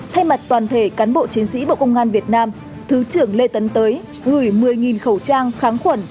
thay mặt toàn thể cán bộ chiến sĩ bộ công an việt nam thứ trưởng lê tấn tới gửi một mươi khẩu trang kháng khuẩn